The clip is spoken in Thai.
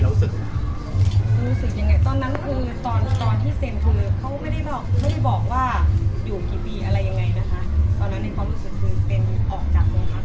รู้สึกยังไงตอนนั้นคือตอนที่เซ็นเขาไม่ได้บอกว่าอยู่กี่ปีอะไรยังไงนะคะ